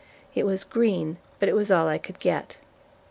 It was green, but it was all I could get.